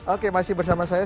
oke masih bersama saya